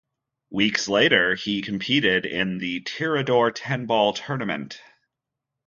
Weeks later, he competed in the Tirador Ten-ball Tournament.